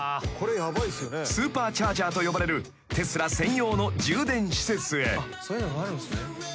［スーパーチャージャーと呼ばれるテスラ専用の充電施設へ］